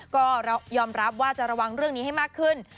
ก็ยอมรับว่าจะระวังเรื่องนี้ให้มากขึ้น